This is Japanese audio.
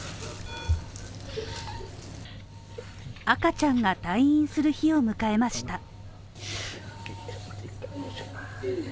赤ちゃんが退院する日を迎えました。